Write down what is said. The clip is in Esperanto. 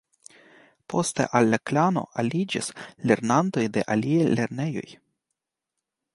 Poste al la Klano aliĝis lernantoj de aliaj lernejoj.